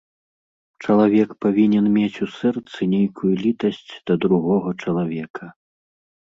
Чалавек павінен мець у сэрцы нейкую літасць да другога чалавека.